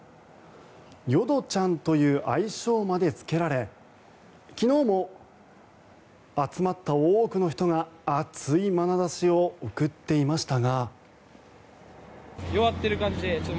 淀ちゃんという愛称までつけられ昨日も集まった多くの人が熱いまなざしを送っていましたが。